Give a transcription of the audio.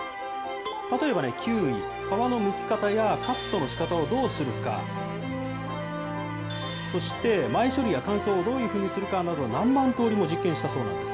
例えばキウイ、皮のむき方やカットのしかたをどうするか、そして、前処理や乾燥をどうするかなど、何万通りも実験したそうなんです。